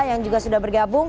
yang juga sudah bergabung